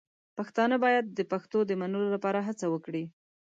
پښتانه باید د پښتو د منلو لپاره هڅه وکړي.